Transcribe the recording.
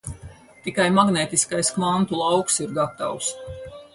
Tikai magnētiskais kvantu lauks ir gatavs.